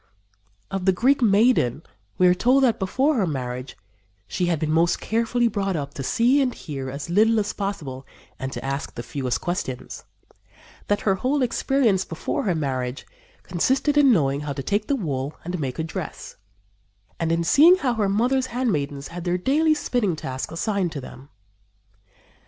Of the Greek maiden we are told that, before her marriage she "had been most carefully brought up to see and hear as little as possible and to ask the fewest questions"; that her whole experience before her marriage "consisted in knowing how to take the wool and make a dress, and in seeing how her mother's handmaidens had their daily spinning tasks assigned to them."